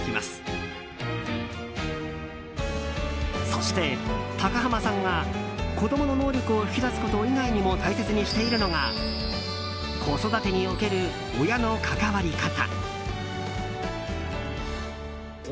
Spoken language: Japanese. そして高濱さんが子供の能力を引き出すこと以外にも大切にしているのが子育てにおける親の関わり方。